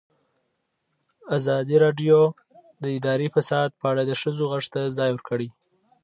ازادي راډیو د اداري فساد په اړه د ښځو غږ ته ځای ورکړی.